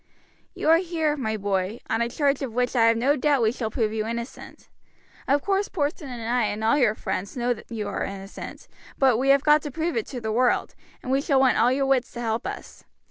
"You are here, my boy, on a charge of which I have no doubt we shall prove you innocent. Of course Porson and I and all your friends know you are innocent, but we have got to prove it to the world, and we shall want all your wits to help us.